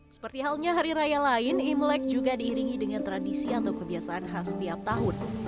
seperti halnya hari raya lain imlek juga diiringi dengan tradisi atau kebiasaan khas setiap tahun